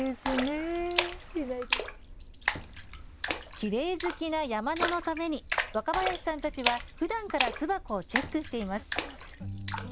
きれい好きなヤマネのために若林さんたちはふだんから巣箱をチェックしています。